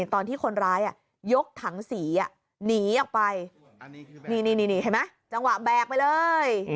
ตอนที่คนร้ายยกถังสีหนีออกไปนี่เห็นไหมจังหวะแบกไปเลย